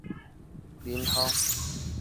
并将簇展开整理成迈耶函数的组合。